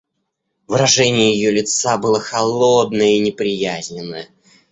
Выражение ее лица было холодное и неприязненное.